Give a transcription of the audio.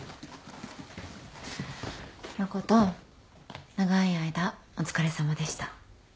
誠長い間お疲れさまでした。